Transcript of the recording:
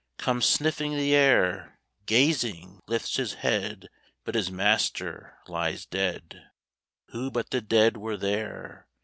Comes, sniffing the air, Gazing, lifts his head, But his master lies dead. (Who but the dead were there?)